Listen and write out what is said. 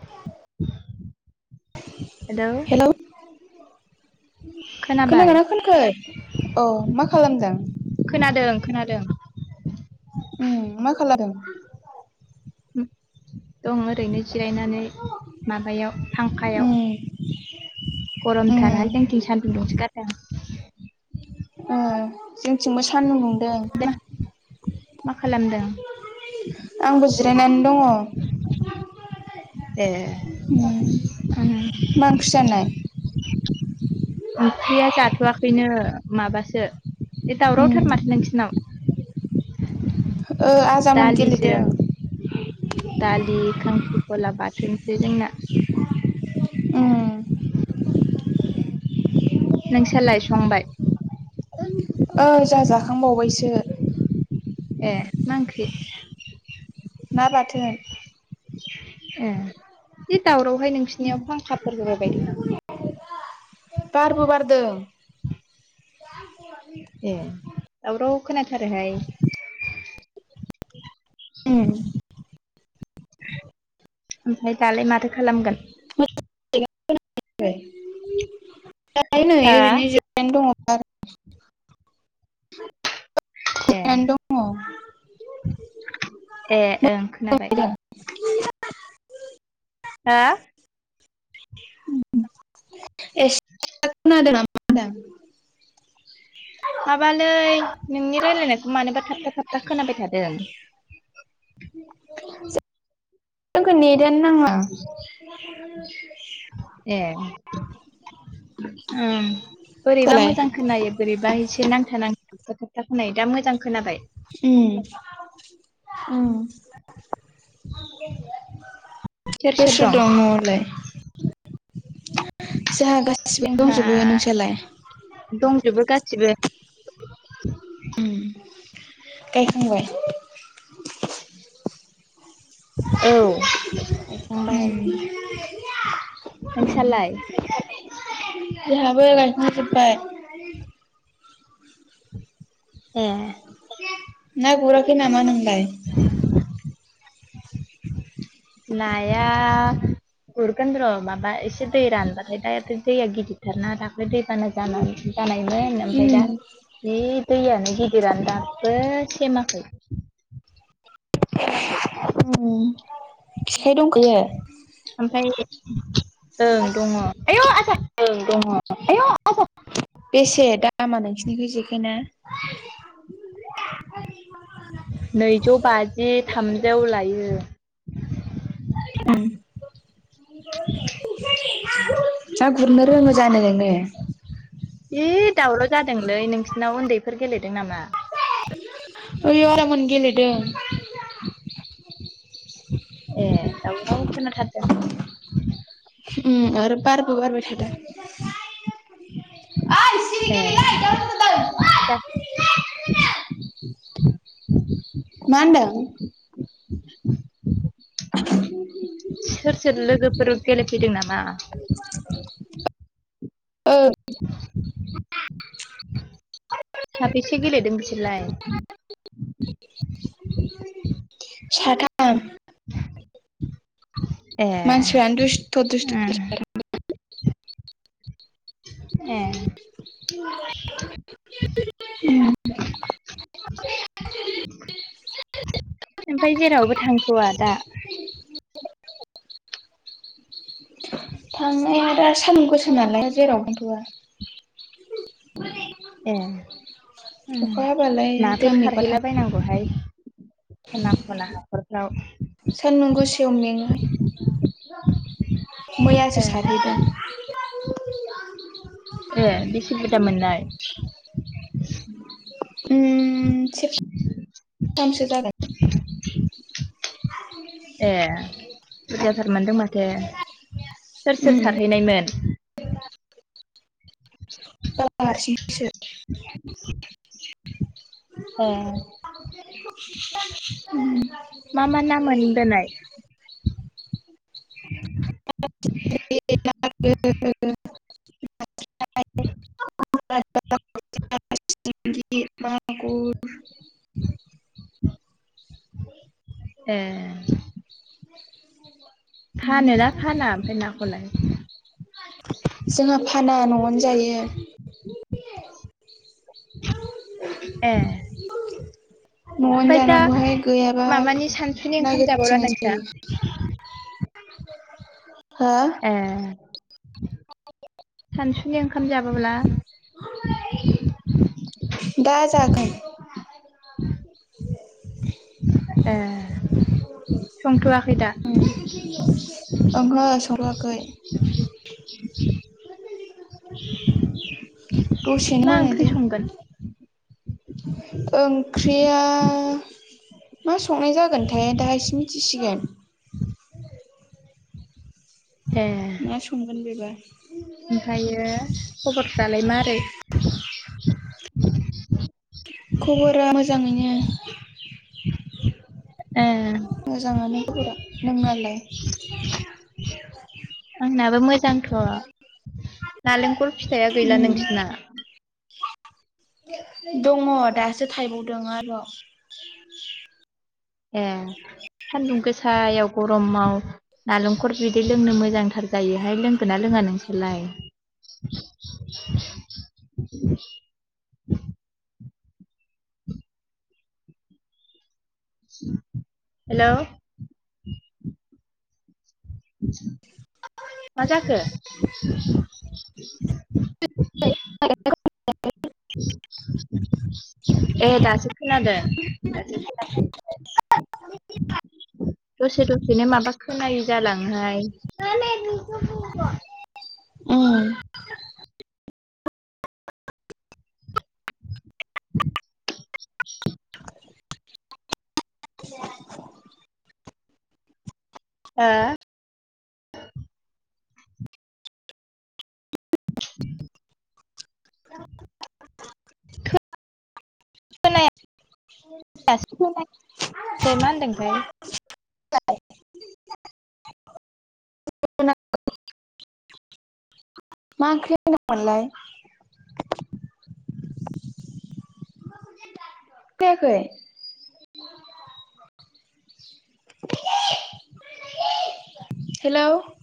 [unintelligible] हेल' खोनाबाय खोनागोन ना खोनखो अ मा खालामदों? खोनादों खोनादों। उ मा खालामला थ दं ओरैनो जिरायनानै माबायाव फांखायाव उम उम गरमथाराखा सानजगथाय जोंथिंबो सानदुं बुं मा खालामदों आंबो जिरायनानै दङ ए उम मा ओंख्रि जानाय ओंख्रिया जाथ'आखैनो माबासो बे उम दावरावथार माथो नोंसोरनाव ओ आजामोन दलिस गेलेदों दालि खांख्रिखला बाथोनसै जोंना [inaudible] नोंसोरलाय संबाय ओ जा जाखांबावबायसो ए नां ओंख्रि ना बाथोन बे दावरावहाय नोंसिनियाव फांखाफोर होबाय बायदों नामा बारबो बारदों ए दावराव खोनाथारोहाय एम ओमफ्राय दालाय माथो खालामगोन दाय नै हो ओरैनो ज दङ बार ए जानानै दङ ए ओं खोनाबाय हा एदों द माबालै नोंनि रायलायनायखौ मानोबा थाबथा थाबथा खोनाबाय थादों [inaudible] जोंखौ नेदनो नाङा [inaudible] मा ए बोरैबा दालाय मोजां खोनायो बोरैबा एसे नांथा नांथ मा थाबथा थाबथा खोनायो दा मोजां खोनाबाय उ उ सोर सोर जस दं दङलाय जोंहा गासिबो जोंहा दंजोबो नोंसोरलाय दंजोबो गासिबो गायखांबाय औ गायखांबाय उम नोंसालाय जोंहाबो गायखांजोब्बाय ए ना गुराखि नामान होनलाय ओम नाया गुरगोन र' माबा एसे दै रानबाथाय दाथ' दैया गिदिरथारना दाख्लै दै जान ज जानायमोन ओमफ्राय उम दा बे दैयानो गिदिरानो दाबो सेमाखै फिथाइ दंखो ओमफ्राय ओं दङ आय' आसा औ दङ आय आ बेसे दामा नोंसिनिखौ जेखायना [inaudible] नैजौ बाजि थामजौ लायो [unintelligible] ना गुरनो रोङो जानो नोङो? ए दावराव जादोंलै नोंसिनाव उन्दैफोर गेलेदों नामा? ओयाव आजामोन गेलेदों। ए दाउ दाव खोनाथारादों। आरो बारबो बारबाय थादों। ए दा मा होनदों? सोर सोर लोगोफोर गेलेफैदों नामा? ओं साबेसे गेलेदों बिसोरलाय? साथाम। [unintelligible] ए मानसिआनो दुसथ' दुसथ'। उम ए [unintelligible] ओमफाय जेरावबो थांथ'वा दा? थांनाया दा सान गोस नालाय जेरावबो थांथ'आ। [unintelligible] ए नाफोर उम अखा हाबालाय नाफोर दोमैबा थां सारहैला बायनांगौहाय खना खना हाखरफ्राव। सानदुं गोसायाव मेङो ए मैयासो सारहैदों। ए बेसे बुरजा मोननाय? सेरथामसो जागोन। ए बुरजाथार मोनदों माथो सोर सोर उम सारहैनायमोन? बाबा हारसिंसो। ए [unintelligible] मा मा ना मोनबोनाय? [unintelligible] [unintelligible] ना फिथिग्रि मागुर ए फानोना फाना ओमफ्राय नाखौ लाय? जोंहा फाना न'आवनो जायो। ए न'आवनो ओमफ्राय दा जानांगौहाय गैयाबा माबानि सानसुनि ओंखाम जाबावला नागिरथिनाय नोंस्रा? जायो। हो? ए सानसुनि ओंखाम जाबोब्ला। दा जागोन। ए संथ'वाखै दा ओंहो संथयाखै। [inaudible] दसेनो मा मोनो ओंख्रि दै। संगोन? ओंख्रिया। मा संनाय जागोनथाय दाहायसे मिथिसिगोन। [inaudible] ए मा संगोन बेबा? ओमफ्रायो खबरफ्रालाय मारै? खबरा मोजाङैनो। ए मोजाङानो बरा नोंनालाय? [unintelligible] आंनाबो मोजांथ' नालेंखल फिथाइया गैला उम नोंसिना? दङ दासो थायबावदों आरो। ए सान्दुं गोसायाव गरमाव नालेंखल बिदै लोंनो मोजांथार जायोहाय लोंगोन ना लोङा नोंसोरलाय? हेलौ। मा जाखौ [unintelligible] ए दासो खोनादों दासो खोना दसे दसेनो माबा खोनायो जालांहाय ओम [inaudible] [unintelligible] हा [inaudible] [inaudible] मा होनदोंथाय मा ओंख्रि मोन्दोंमोनलाय? फैयाखै [inaudible] हेल'